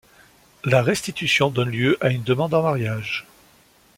La restitution donne lieu à une demande en mariage.